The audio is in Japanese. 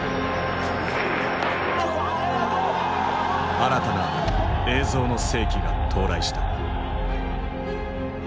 新たな映像の世紀が到来した。